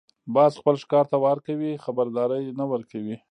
باز خپل ښکار ته وار کوي، خبرداری نه ورکوي